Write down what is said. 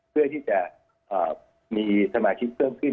เพื่อที่จะมีสมาชิกเพิ่มขึ้น